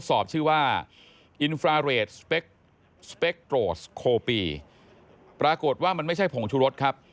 สอบชื่อว่าอินฟราเรทสเปคโปรสโคปีปรากฏว่ามันไม่ใช่ผงชุรสครับ